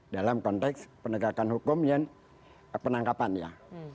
dalam konteks penegakan hukum dan penangkapan ya